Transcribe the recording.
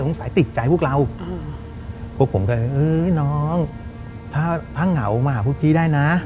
สัยติดใจพวกเราพวกผมก็เลยเอ้ยน้องถ้าเหงามาหาพวกพี่ได้นะ